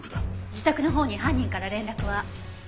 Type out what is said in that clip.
自宅のほうに犯人から連絡は？